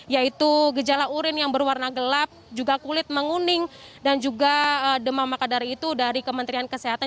yaitu gejala urin yang berwarna gelap juga kulit menguning dan juga demam makadari itu dari kementerian kesehatan